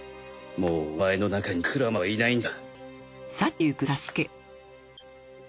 もうお前の中に九喇嘛はいないんだ。